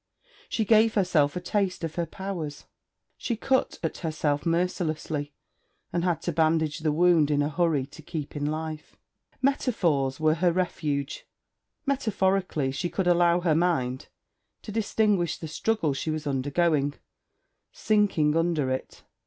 She gave herself a taste of her powers. She cut at herself mercilessly, and had to bandage the wound in a hurry to keep in life. Metaphors were her refuge. Metaphorically she could allow her mind to distinguish the struggle she was undergoing, sinking under it.